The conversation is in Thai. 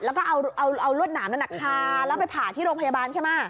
แล้วก็เอารวดหนามนั้นคาแล้วไปผ่าที่โรงพยาบาลใช่ไหม